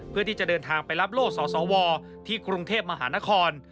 เพื่อที่จะเดินทางไปรับโล่สสวที่กรุงเทพมหานคร